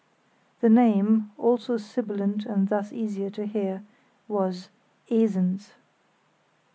The name, also sibilant and thus easier to hear, was "Esens".